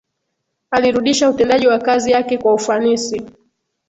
alirudisha utendaji wa kazi yake kwa ufanisi